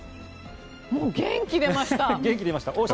もう元気出ました！